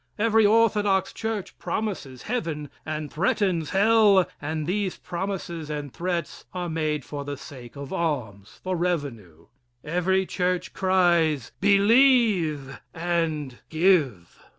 Every orthodox church promises heaven and threatens hell, and these promises and threats are made for the sake of alms, for revenue. Every church cries: "Believe and give."